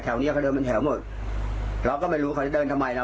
เนี้ยเขาเดินเป็นแถวหมดเราก็ไม่รู้เขาจะเดินทำไมนะ